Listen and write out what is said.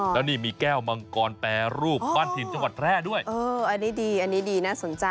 แล้วนี่มีแก้วมังกรแปรรูปบ้านถิ่นจังหวัดแพร่ด้วยเอออันนี้ดีอันนี้ดีน่าสนใจ